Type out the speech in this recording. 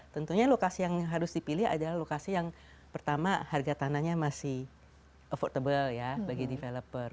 tentunya lokasi yang harus dipilih adalah lokasi yang pertama harga tanahnya masih affordable ya bagi developer